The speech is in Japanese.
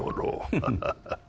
ハハハハ。